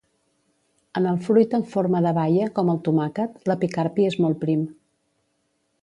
En el fruit en forma de baia, com el tomàquet, l'epicarpi és molt prim.